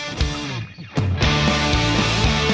มันอยู่ที่หัวใจ